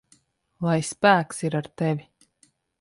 Lai spēks ir ar tevi!